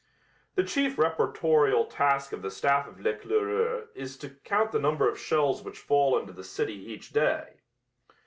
The chief reportorial task of the staff of L'Eclaireur is to count the number of shells which fall into the city each day.